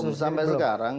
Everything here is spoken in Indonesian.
belum sampai sekarang